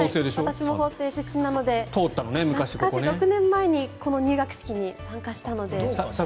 私も法政なので６年前に入学式に参加したので。